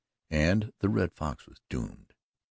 And the Red Fox was doomed.